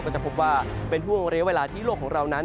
จะพบว่าเป็นห่วงเรียกเวลาที่โลกของเรานั้น